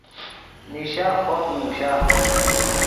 نیشا خوط نوشا